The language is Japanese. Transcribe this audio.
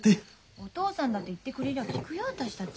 お父さんだって言ってくれりゃ聞くよ私たち。